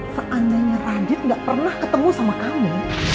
seandainya radit gak pernah ketemu sama kamu